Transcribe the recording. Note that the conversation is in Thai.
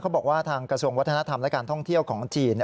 บอกว่าทางกระทรวงวัฒนธรรมและการท่องเที่ยวของจีน